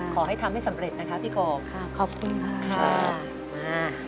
ขอให้ทำให้สำเร็จนะครับพี่กรอบค่ะขอบคุณมากค่ะค่ะค่ะ